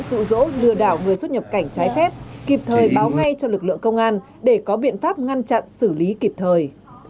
rụ rỗ lừa đảo người xuất nhập cảnh trái phép kịp thời báo ngay cho lực lượng công an để có biện pháp ngăn chặn xử lý kịp thời